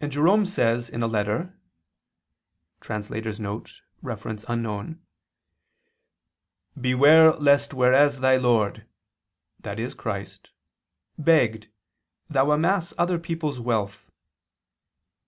And Jerome says in a letter [*Reference unknown]: "Beware lest whereas thy Lord," i.e. Christ, "begged, thou amass other people's wealth."